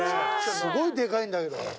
すごいでかいんだけど。